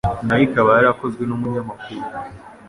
nayo ikaba yarakozwe n'umunyamakuru